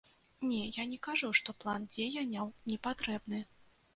Не, я не кажу, што план дзеянняў не патрэбны.